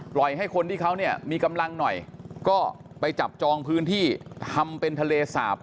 ให้คนที่เขาเนี่ยมีกำลังหน่อยก็ไปจับจองพื้นที่ทำเป็นทะเลสาป